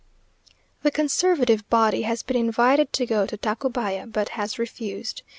The conservative body has been invited to go to Tacubaya, but has refused.